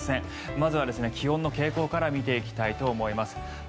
まずは気温の傾向から見ていきたいと思います。